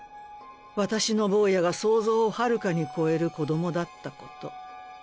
私の坊やが想像をはるかに超える子供だったこと。